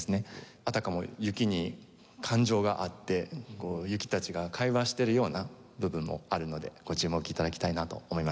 あたかも雪に感情があって雪たちが会話してるような部分もあるのでご注目頂きたいなと思います。